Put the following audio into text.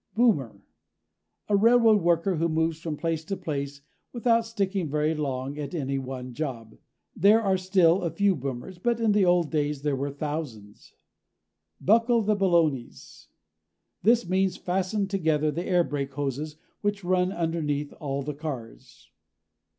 BOOMER a railroad worker who moves from place to place without sticking very long at any one job. There are still a few boomers, but in the old days there were thousands. BUCKLE THE BALONIES this means fasten together the air brake hoses which run underneath all the cars.